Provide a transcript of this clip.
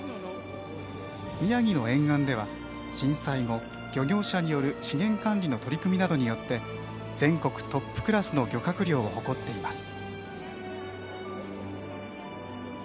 宮城の沿岸では震災後、漁業者による資源管理の取り組みなどによって全国トップクラスの漁獲量を誇っています。